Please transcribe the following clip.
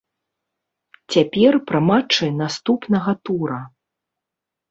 Цяпер пра матчы наступнага тура.